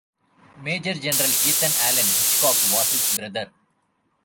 Major General Ethan Allen Hitchcock was his brother.